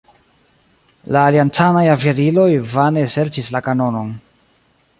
La aliancanaj aviadiloj vane serĉis la kanonon.